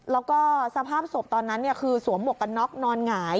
แล้วก็สภาพศพตอนนั้นเนี่ยคือสวมบกน๊อกนอนหงาย